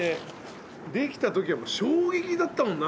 できたときは衝撃だったもんな。